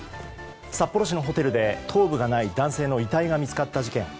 札幌市のホテルで頭部がない男性の遺体が見つかった事件。